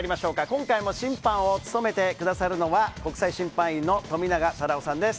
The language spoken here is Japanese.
今回も審判を務めてくださるのは国際審判員の富永忠男さんです。